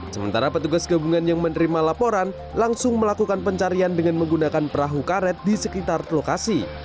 sementara petugas gabungan yang menerima laporan langsung melakukan pencarian dengan menggunakan perahu karet di sekitar lokasi